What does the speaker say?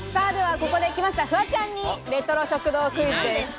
ここでフワちゃんにレトロ食堂クイズです。